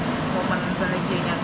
pemenang belajarnya kahiyang